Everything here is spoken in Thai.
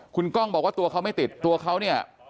คุณกล้องบอกว่าตัวเขาไม่ติดตัวเขาเนี่ย